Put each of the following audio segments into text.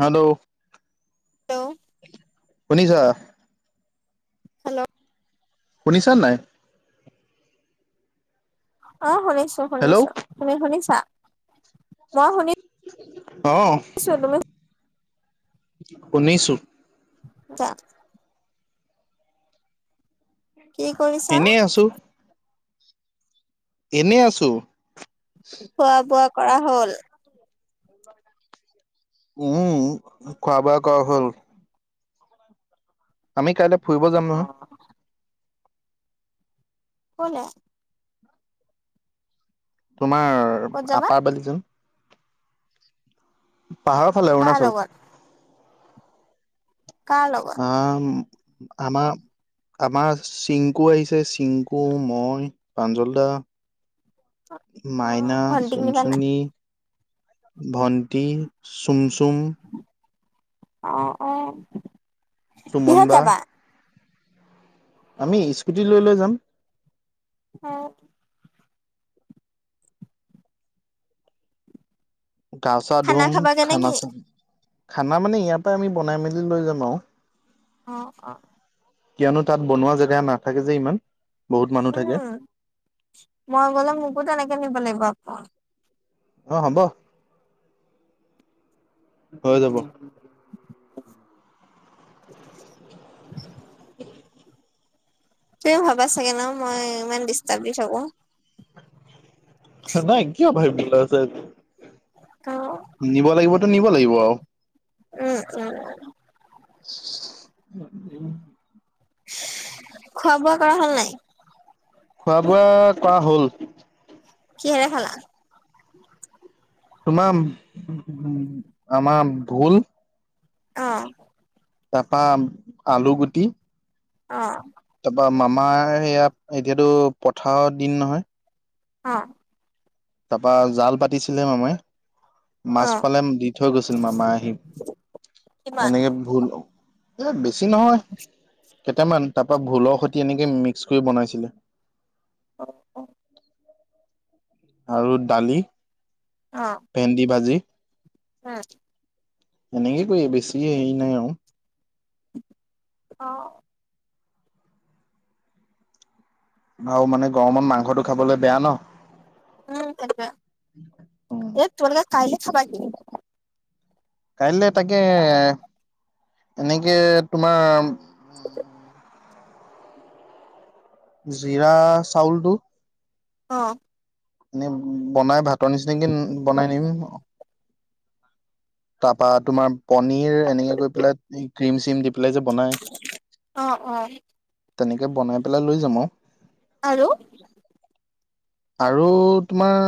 Hello? Hello? শুনিছা? Hello? শুনিছানে নাই? অ, শুনিছো, হেল্ল' শুনিছো তুমি শুনিছা মই শুনিছো। অ'। [unintelligible] শুনিছো। [unintelligible] কি কৰিছা? এনেই আছো এনেই আছো। খোৱা, বোৱা কৰা হ'ল? [unintelligible] উম, খোৱা, বোৱা কৰা হ'ল। আমি কাইলৈ ফুৰিব যাম অ নহয়। ক'লে? তোমাৰ ক'ত যাবা আপাৰ বালিজান পাহাৰৰ ফালে কাৰ অৰুণাচল। লগত কাৰ লগত? আ, আমাৰ আমাৰ চিংকু আহিছে চিংকু মই প্ৰাঞ্জলদা অ মাইনা ভণ্টিক নিবা নাই চুনচুনী। ভণ্টি চুমচুম আহ, অ'। চুমন কিহত বা যাবা আমি স্কুটি লৈ, লৈ যাম। অ'। গা চা খানা ধুম খাবাগে খানা, নেকি চান, খানা মানে ইয়াৰ পৰাই আমি বনাই মেলি লৈ যাম আৰু। অ', অ'। কিয়নো তাত বনোৱা জেগা নাথাকে যে ইমান বহুত মানুহ থাকে উম, মই গলে মোকো তেনেকে নিব লাগিব আকৌ। অ, হব হৈ যাব। [inaudible] [unintelligible] তুম ভাবা চাগে ন মই ইমান ডিষ্টাব দি থাকো। নাই কিয় ভাবিব ভল আছে। [inaudible] নিব লাগিবতো নিব লাগিব আৰু। উম, উম। উ, উম। খোৱা, বোৱা কৰা হ'ল নাই। খোৱা, বোৱা কৰা হ'ল। কিহৰে খালা? তোমাৰ আমাৰ ভোল অ'। তাৰপা আলু গুটি অ'। তাৰপা মামাৰ সেয়া এতিয়াতো পথাৰৰ দিন নহয়। অ'। তাৰপৰা জাল পাতিছিলে মামে মাছ অ পালে দি থৈ গৈছিল মামা আহি কিমান এনেকে ভুল এ, বেছি নহয় কেইটামান তাৰপা ভোলৰ খৈতি এনেকে মিক্স কৰি বনাইছিলে। অ', অ'। আৰু দালি, অ ভেন্দি ভাজি উম, এনেক ক, বেছি হ নাই অ'। অ'। আৰু মানে গৰমত মাংসটো খাবলৈ বেয়া ন। উম, তোকা উম এই তোলকা খাইলে খাবা। কাইলে তাকে এনেকে তোমাৰ [unintelligible] জিৰা চাউলটো অ'। এনে বনাই ভাতৰ নিচিনাক বনাই নিম। তাৰপা তুমাৰ পনিৰ এনেকে গৈ পেলাই ক্ৰীম, চিম দি পাই যে বনাই অ', অ', তেনেকে বনাই পেলাই লৈ যাম আৰু। আৰু আৰু তোমাৰ?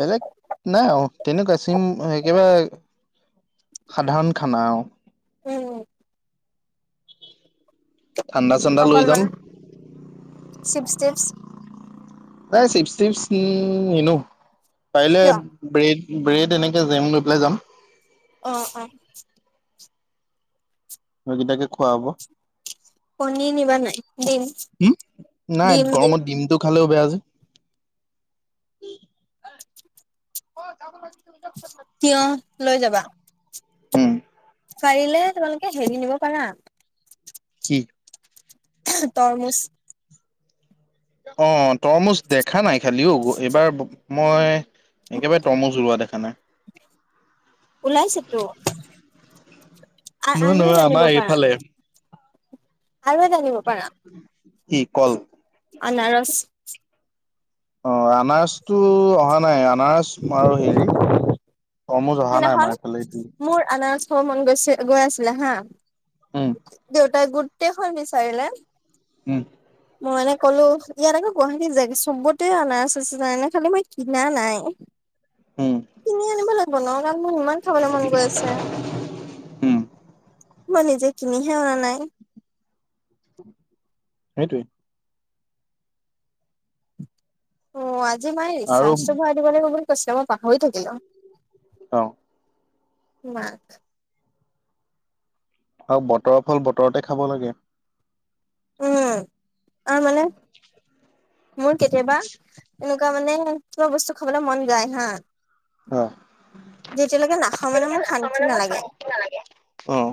বেলেগ নাই অ, তেনেকুৱা চিম কিবা সাধাৰণ খানা। উ। ঠাণ্ডা, ঠাণ্ডা লৈ অকল যাম। মানে চিপছ টিপছ নাই চিপ, চিপ ননো পাৰিলে। কিয়? ব্ৰেড, ব্ৰেড এনেকে জেম লৈ পেলাই যাম। অ', অ'। মইকেইটাকে খোৱা হ'ব। কনীৰ নিবা নাই দিম, উম, নাই দিম, দিম। গৰমত ডিমটো খালেও বে তিয় লৈ যাবা। উম। পাৰিলে তোমালোকে হেৰি নিবা পাৰা। কি? তৰমুজ। অ, তৰমুজ দেখা নাই খালিও এইবাৰ মই একেবাৰে তৰমুচ ৰোৱা দেখা নাই। ওলাইছে তো আৰু নহয় আ নহয় আমাৰ জানিব পাৰা। এইফালে আৰু জানিব পাৰা। কি কল? আনাৰস। অ, আনাৰসটো অহা নাই আনাৰস আৰু হেৰি অমো অহা নাই সেইদিনাখন মমাৰ এইফালে এটি। মোৰ আনাৰস খাব মন গৈছে গৈ আছিলে হা উম দেউতাই গোট টেইখন বিচাৰিলে। উম। মই এনে ক'লো ইয়াত আকৌ গুৱাহাটী জেগা চবতে অনাৰসৰ এনে খালি মই কিনা নাই। হম। বনোৱা গণ মোৰ ইমান খাবলৈ মন গৈ আছে। উম মই নিজে কিনিহে অনা নাই। সেইটোয়ে। অ', আজি মায়ে আৰু ৰিচাৰ্ছটো ভৰাই দিব লাগিব বুলি কৈছিলে, মই পাহৰি থাকিলো। অহ। মাক আৰু বতৰৰ ফল বতৰতেই খাব লাগে। উম, তাৰমানে মোৰ কেতিয়াবা এনেকুৱা মানে কিবা বস্তু খাবলৈ মন যায় হা। অ যেতিয়ালৈকে নাখাওঁ মানে মোৰ শান্তি নালাগে। অহ।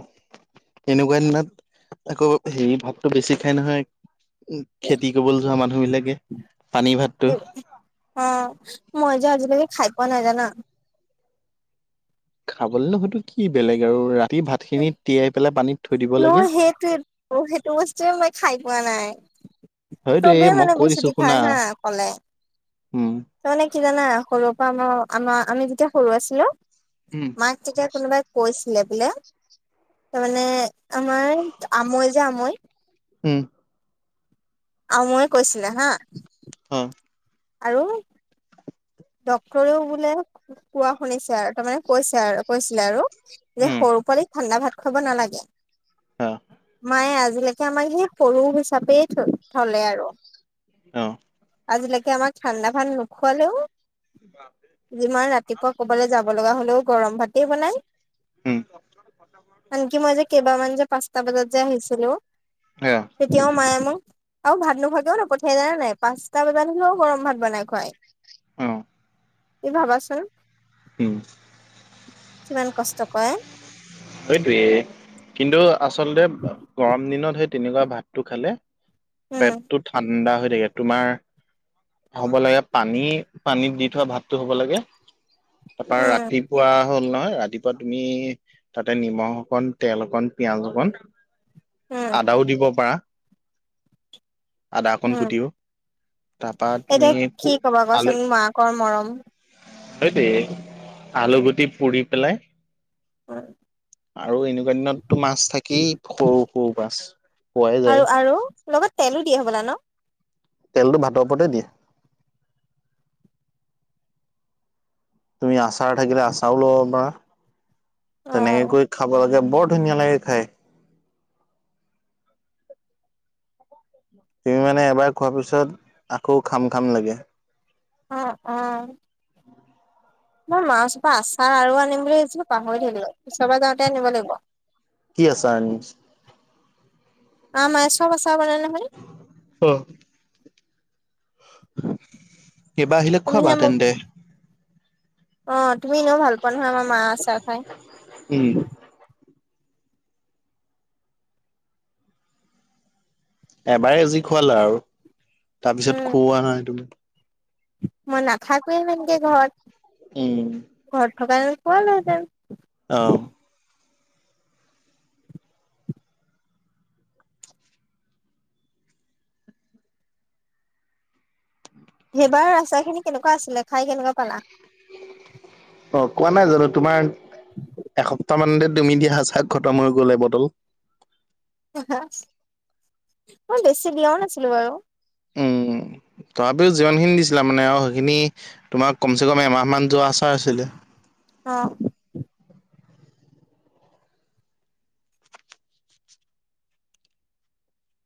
এনেকুৱা দিনত আকৌ হেৰি, ভাতটো বেছি খাই নহয়। এই খেতি কৰিবলৈ যোৱা মানুহ বিলাকে, পানী ভাতটো। অ', মই যে আজিলৈকে খাই পোৱা নাই, জানা? খাবলৈনো সৈতো কি বেলেগ আৰু, ৰাতি ভাতখিনি তিয়াই পেলাই পানীত থৈ দিব নহয় লাগে। সেইটোৱে সেইটো বস্তুয়েই মই খাই পোৱা নাই। হয়তো এই চবেই মই মানে কৈ দিছো বিচুটি খায় শুনা হা ক'লে। উম তাৰমানে কি জানা? সৰুৰ পৰা আমাৰ, আমাৰ, আমি যেতিয়া সৰু আছিলোঁ উম। মাক তেতিয়া কোনোবাই কৈছিলে বোলে তাৰমানে আমাৰ, আমৈ যে আমৈ উম। আমৈয়ে কৈছিলে হা অহ। আৰু ডক্টৰেও বোলে কোৱা শুনিছে আৰু, তাৰমানে কৈছে আৰু, কৈছিলে আৰু। যে উম সৰু পোৱালি ঠাণ্ডা ভাত খুৱাব নালাগে, অ মায়ে আজিলৈকে এয়া আমাৰ সেই সৰু হিচাপেই থ থ'লে আৰু। অ'। আজিলৈকে আমাক ঠাণ্ডা ভাত নুখুৱালেও অহ। যিমান ৰাতিপুৱা ক'ৰবালৈ যাব লগা হ'লেও গৰম ভাতেই বনাই। উম। আনকি মই যে কেইবামান যে পাঁচটা বজাত যে আহিছিলোঁ। অ তেতিয়াও মায়ে মোক আৰু ভাত নুখুৱাকেও নপঠিয়াই যানেনে নাই? পাঁচটা বজাত হ'লেওঁ গৰম ভাত বনাই খুৱাই। অহ। মি ভাবাচোন? উম। কিমান কষ্ট কৰে। সেইটোৱেই, কিন্তু আচলতে গৰম দিনত সেই তেনেকুৱা ভাতটো খালে উম পেটটো ঠাণ্ডা হৈ থাকে, তোমাৰ হ'ব লাগে পানী, পানীত দি থোৱা ভাতটো হ'ব লাগে, তাৰপা উম ৰাতিপুৱা হ'ল নহয়, ৰাতিপুৱা তুমি তাতেই নিমখ অকণ, তেল অকণ, পিয়াজ অকণ উম আদাও দিব পাৰা। আদা অকন উম কুটিও তাৰপা তুমি এতিয়া কি ক'বা কোৱাচোন? মাকৰ মৰম সেইটোৱেই, আলু গুটি পুৰি পেলাই হয়। আৰু এনেকুৱা দিনততো মাছ থাকেই, সৰু সৰু মাছ, পোৱাই আৰু যায়। আৰু লগত তেলো দিয়ে হ'বলা ন? তেলটো ভাতৰ ওপৰতেই দিয়ে। তুমি আচাৰ থাকিলে আচাৰো ল'ব পাৰা, অ তেনেকে কৰি খাব লাগে বৰ ধুনীয়া লাগে খাই। তুমি মানে এবাৰ খোৱাৰ পিছত আকৌ খাম, খাম লাগে। অ', অ'। মই মাছৰ পৰা আচাৰ আৰু আনিম বুলি ভাবিছিলো পাহৰি থিলৈ পিছৰ পৰা যাওঁতে আনিব লাগিব। কি আছ? আ, মায় চব আছ বাননে নহয়। অ'। কবা আহিলে খোৱাবা তুমিহে মোক তেন্তে। অ, তুমি এনেও ভাল পোৱা নহয় আমাৰ মা আ চাহ খাই। উম। এবাৰে যি খুৱালা আৰু তাৰ পিছত উম খুওৱা নাই তুমি। মই নাখাকে সেনেকে ঘৰত উম। ঘৰত থকা খোৱালা হেতেন। অ'। সেইবাৰ ৰাস্তা খিনি কেনেকুৱা আছিলে খাই কেনেকুৱা পালা। অ, কোৱা নাই জানো তোমাৰ এস তাৰমানানে তুমি দা সচাক ঘটম হৈ গলে বটল মই বেছি বিয়াও নাছিলো বাৰু। উম। তথাপিও যিমানখিনি দিছিলা মানে আৰু সেইখিনি তোমাক কমচে কম এমাহ মমান যোৱা আচাৰ আছিলে। অ'।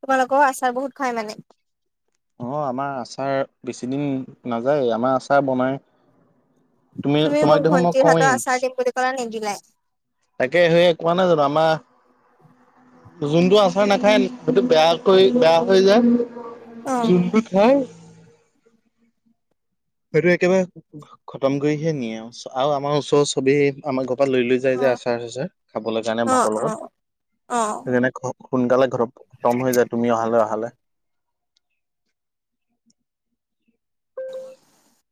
তোমালোকেও আচাৰ বহুত খায় মানে। অ, আমাৰ আচাৰ বেছিদিন নাযায় আমাৰ আচাৰ বনাই। তুমি, তোমাক দেখোন মই কওঁৱেই। ক নেদিলে। তাকে সয়ে কোৱা নাই জানো আমাৰ যোনটো আচাৰ নাখায় সেইটো বেয়াকৈ বেয়া হৈ অ যায় যোনটো খাই। সেইটো একেবাৰে খতম কৰিহে নিয়ে আৰু, আৰু আমাৰ ওচৰৰ চবেই আমাৰ ঘৰ পৰা লৈ, লৈ যাই অ যে আচাৰ, চাচাৰ খাবলৈ কাৰণে অ ভাতৰ অ লগত অ সেইকাৰণে। সোনকালে ঘৰত খতম হৈ যায় তুমি অহালে, অহালে। [unintelligible]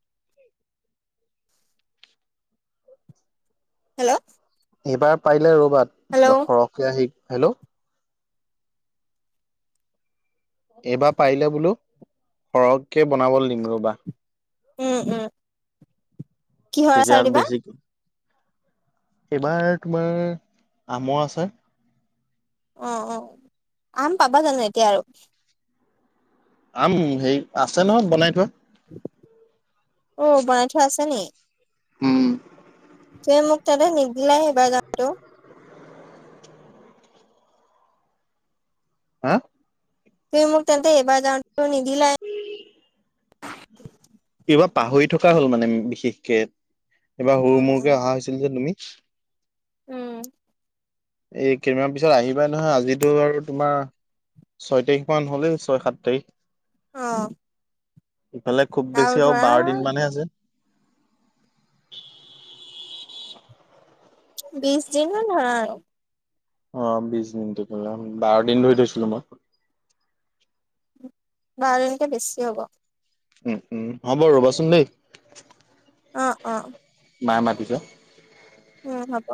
হেল্ল'? এইবাৰ পাৰিলে ৰ'বাত হেল্ল' সৰহকে আহি হেল্ল'? এইবাৰ পাৰিলে বোলো সৰহকে বনাবলৈ দিম ৰ'বা। উম, উম। কিহৰ তেতিয়া আচাৰ দিবা। বেছি এইবাৰ তোমাৰ আমৰ আচাৰ অ', অ', আম পাবা জানো এতিয়া আৰু। আম হেৰি আছে নহয় বনাই থোৱা। অ, বনাই থোৱা আছে নি উম। তুমি মোক তেন্তে নিদিলা এইবাৰ যাওতে ও হা? তুমি মোক তেন্তে এবাৰ যাওতেও নিদিলা। কিবা পাহৰি থকা হ'ল মানে বিশেষকে এইবাৰ উম সৰু-মৰুকে উম অহা হৈছিল যে তুমি উম। এই কেইদমান পিছত আহিবাই নহয় আজিতো আৰু তোমাৰ ছয় তাৰিখ মান হলে ছয়, সাত তাৰিখ অ, ইফালে খুব বেছি আৰু বাৰ দিন মানহে আছে। বিশ দিন মান ধৰা আৰু। অ, বিশ দিনটো বোলে বাৰ দিন ধৰি থৈছিলোঁ মই। বাৰ দিনকে বেছি হব। উম, উম হ'ব ৰবাচোন দেই। অ, অ, মাই মাতিছে। উম, হ'ব।